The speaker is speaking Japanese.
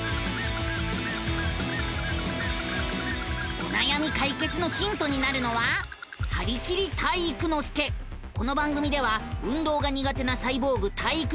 おなやみ解決のヒントになるのはこの番組では運動が苦手なサイボーグ体育ノ